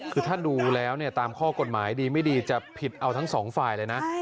คือถ้าดูแล้วเนี่ยตามข้อกฎหมายดีไม่ดีจะผิดเอาทั้งสองฝ่ายเลยนะ